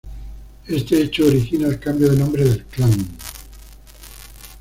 Este hecho origina el cambio de nombre del clan.